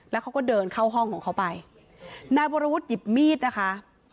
แล้วเขาก็เดินเข้าห้องของเขาไปนายวรวุฒิหยิบมีดนะคะ